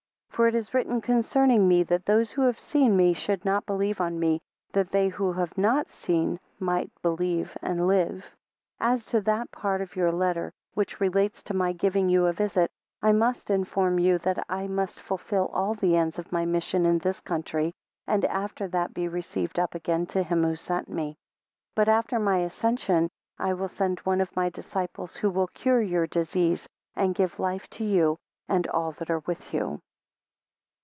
2 For it is written concerning me, that those who have seen me should not believe on me, that they who have not seen might believe and live. 3 As to that part of your letter, which relates to my giving you a visit, I must inform you, that I must fulfil all the ends of my mission in this country, and after that be received up again to him who sent me. 4 But after my ascension I will send one of my disciples, who will cure your disease, and give life to you, and all that are with you.